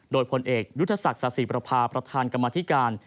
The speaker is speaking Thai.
โดยผลเอกยุทธศักดิ์สาธิประพาประธานกรรมธิการ